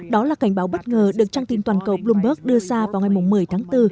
đó là cảnh báo bất ngờ được trang tin toàn cầu bloomberg đưa ra vào ngày một mươi tháng bốn